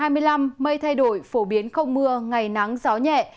mây thay đổi phổ biến không mưa ngày nắng gió nhẹ